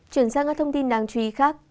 chuyển sang các thông tin đáng chú ý khác